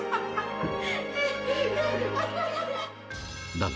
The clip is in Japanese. だが、